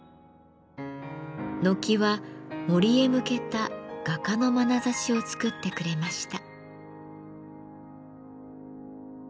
軒は森へ向けた画家のまなざしを作ってくれました。